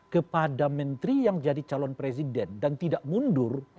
kepada menteri yang jadi calon presiden dan tidak mundur